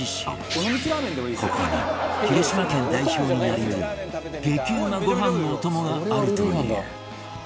ここに広島県代表になり得る激うまご飯のお供があるという